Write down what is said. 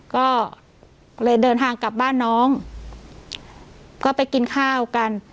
ก็เลยเดินทางกลับบ้านน้องก็ไปกินข้าวกัน